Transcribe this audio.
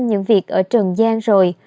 những việc ở trần giang rồi